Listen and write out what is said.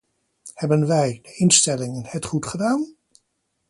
Hebben wij, de instellingen, het goed gedaan?